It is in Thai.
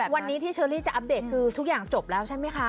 วันนี้ที่เชอรี่จะอัปเดตคือทุกอย่างจบแล้วใช่ไหมคะ